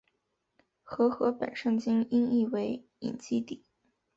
和合本圣经音译为隐基底。